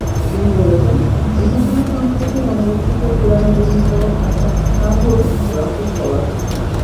তিনি বলেছেন, এই ঘটনা সংশ্লিষ্ট জনগোষ্ঠীকে কুরআনে বর্ণিত আসহাবুর রসস বলা ঠিক নয়।